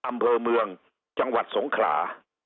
อำเภอเมืองจังหวัดสงขลา